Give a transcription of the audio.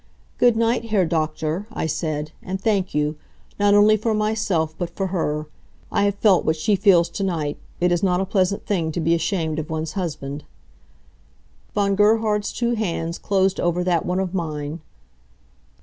"Good night, Herr Doktor," I said, "and thank you, not only for myself, but for her. I have felt what she feels to night. It is not a pleasant thing to be ashamed of one's husband." Von Gerhard's two hands closed over that one of mine.